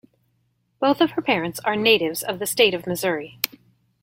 Both of her parents are natives of the state of Missouri.